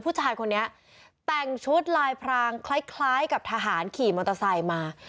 ผู้ชายคนนี้แต่งชุดลายพรางคล้ายกับทหารขี่มอเตอร์ไซค์มา